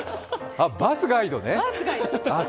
バスガイドね。